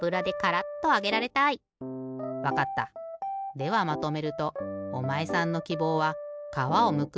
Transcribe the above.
ではまとめるとおまえさんのきぼうは「かわをむく」